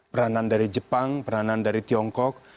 peranan dari jepang peranan dari tiongkok